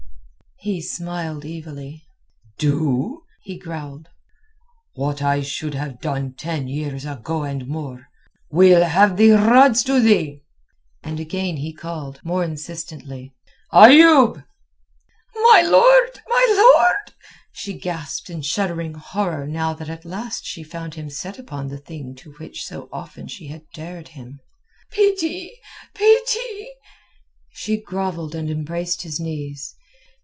He smiled evilly. "Do?" he growled. "What I should have done ten years ago and more. We'll have the rods to thee." And again he called, more insistently—"Ayoub!" "My lord, my lord!" she gasped in shuddering horror now that at last she found him set upon the thing to which so often she had dared him. "Pity! Pity!" She grovelled and embraced his knees.